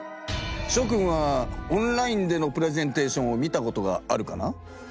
しょくんはオンラインでのプレゼンテーションを見たことがあるかな？